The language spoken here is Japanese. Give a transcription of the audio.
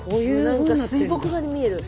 なんか水墨画に見える。